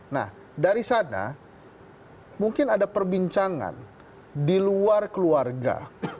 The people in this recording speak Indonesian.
nah dari sana mungkin ada perbincangan di luar keluarga